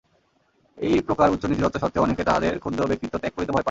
এই প্রকার উচ্চ নীতিতত্ত্ব সত্ত্বেও অনেকে তাঁহাদের ক্ষুদ্র ব্যক্তিত্ব ত্যাগ করিতে ভয় পান।